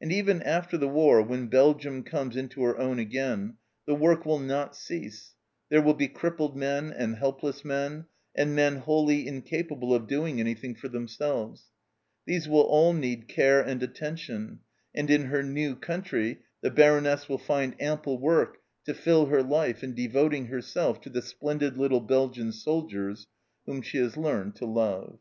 And even after the war, when Belgium comes into her own again, the work will not cease ; there will be crippled men, and helpless men, and men wholly incapable of doing anything for themselves : these will all need care and attention, and in her new country the Baroness will find ample work to fill her life in devoting herself to the " splendid little Belgian soldiers" whom she has learned to love.